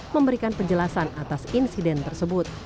memberikan penjelasan atas insiden tersebut